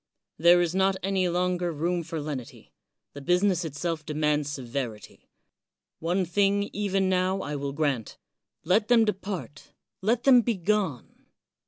There is not any longer room for lenity; the business itself demands severity. One thing, even now, I will grant — let them .depart, let them begone.